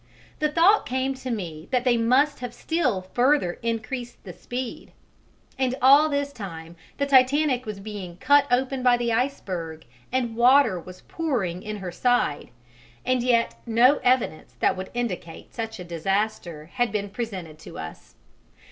The thought came to me that they must have still further increased the speed. And all this time the Titanic was being cut open by the iceberg and water was pouring in her side, and yet no evidence that would indicate such a disaster had been presented to us.